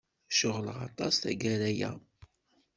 Ceɣleɣ aṭas tagara-a.